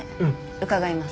伺います。